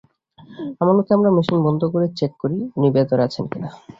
আমার মতে আমরা মেশিন বন্ধ করে চেক করি উনি ভেতরে আছেন কি না।